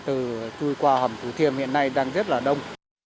từ chui qua hầm thủ thiêm hiện nay đang rất là đông